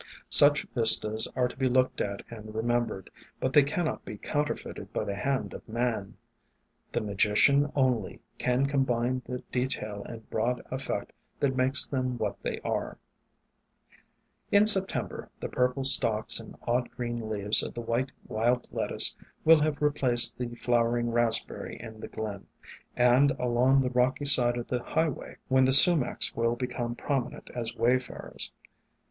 Such vistas are to be looked at and remembered, but they cannot be counterfeited by the hand of man. The Magician only can combine the detail and broad effect that makes them what they are. In September the purple stalks and odd green leaves of the White Wild Lettuce will have replaced the Flowering Raspberry in the Glen, and along the rocky side of the highway, when the Sumacs will become prominent as wayfarers.